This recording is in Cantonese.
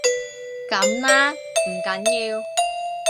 噉啦，唔緊要